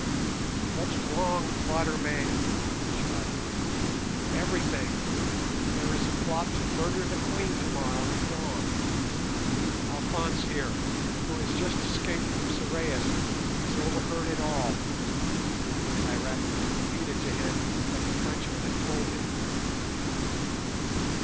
"What's wrong, Quatermain?" he shouted. "Everything. There is a plot to murder the Queen tomorrow at dawn. Alphonse here, who has just escaped from Sorais, has overheard it all," and I rapidly repeated to him what the Frenchman had told me.